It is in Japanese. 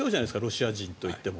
ロシア人といっても。